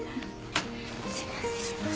すいません。